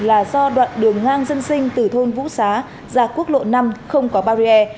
là do đoạn đường ngang dân sinh từ thôn vũ xá ra quốc lộ năm không có barrier